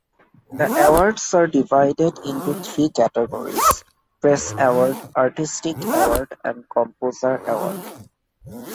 The awards are divided into three categories: Press Award, Artistic Award, and Composer Award.